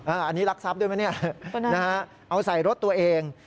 อันนี้รักทรัพย์ด้วยไหมเนี่ยนะฮะเอาใส่รถตัวเอง